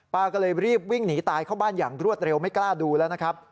ก็เลยรีบวิ่งหนีตายเข้าบ้านอย่างรวดเร็วไม่กล้าดูแล้วนะครับ